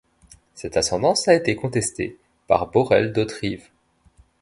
Cette ascendance a été contesté par Borel d'Hauterive.